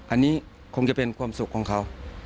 อันนี้คงจะเป็นความสุขของเขา